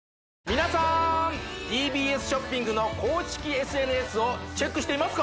皆さーんＴＢＳショッピングの公式ＳＮＳをチェックしていますか？